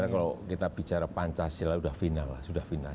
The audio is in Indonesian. kalau kita bicara pancasila sudah final lah sudah final